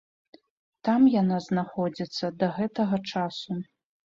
Там яна знаходзіцца да гэтага часу.